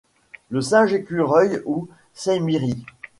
Le singe écureuil ou Saïmiri